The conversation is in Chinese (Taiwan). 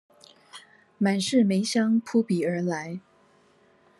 滿室梅香撲鼻而來